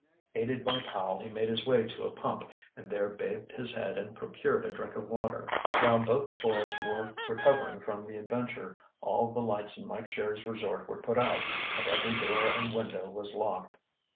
Aided by Powell he made his way to a pump and there bathed his head and procured a drink of water. While both boys were recovering from the adventure all the lights in Mike Sherry's resort were put out and every door and window was locked.